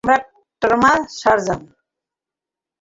আমরা trauma surgeon.